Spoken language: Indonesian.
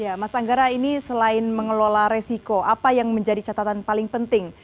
ya mas anggara ini selain mengelola resiko apa yang menjadi catatan paling penting